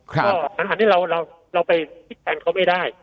ครับ